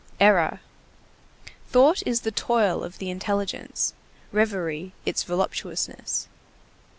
Error! Thought is the toil of the intelligence, reverie its voluptuousness.